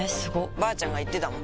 ばあちゃんが言ってたもん